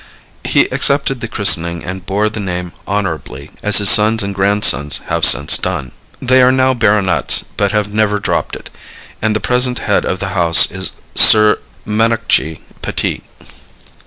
He accepted the christening and bore the name honorably, as his sons and grandsons have since done. They are now baronets, but have never dropped it, and the present head of the house is Sir Manockji Petit.